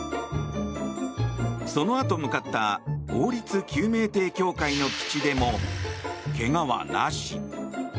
そのあと向かった王立救命艇協会の基地でもけがはなし。